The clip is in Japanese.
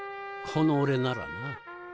この俺ならな。